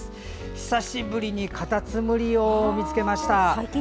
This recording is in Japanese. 久しぶりにカタツムリを見つけました。